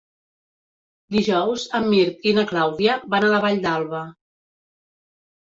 Dijous en Mirt i na Clàudia van a la Vall d'Alba.